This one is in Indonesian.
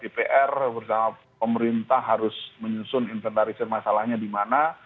dpr bersama pemerintah harus menyusun inventarisir masalahnya di mana